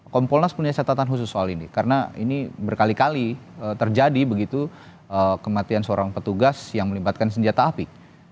kompolnas punya catatan khusus soal ini karena ini berkali kali terjadi begitu kematian seorang petugas yang melibatkan senjata api